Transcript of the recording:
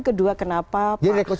kedua kenapa pak